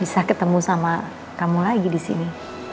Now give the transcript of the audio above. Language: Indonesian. bisa ketemu sama kamu lagi di sini